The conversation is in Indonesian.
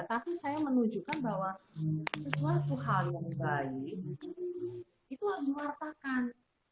bahwa sesuatu hal yang baik itu harus diwartakan